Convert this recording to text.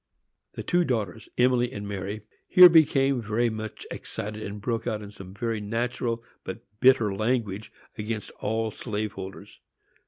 The two daughters, Emily and Mary, here became very much excited, and broke out in some very natural but bitter language against all slave holders.